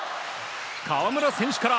河村選手から。